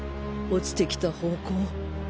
落ちてきた方向